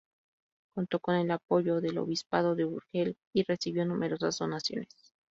Contó con el apoyo del obispado de Urgel y recibió numerosas donaciones.